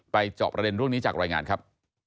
ไปจอบประเด็นนี้จากรอยงานครับ